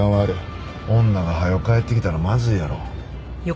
女がはよ帰ってきたらまずいやろ。